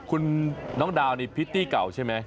คุณน้องดาวนี่พริตตี้เก่าใช่ไหม